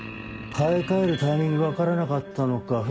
買い替えるタイミングが分からなかったのか